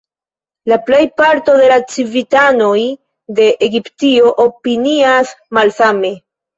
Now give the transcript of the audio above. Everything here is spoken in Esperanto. La plejparto de la civitanoj de Egiptio opinias malsame.